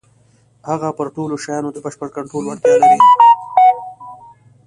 هغه پر ټولو شيانو د بشپړ کنټرول وړتيا لري.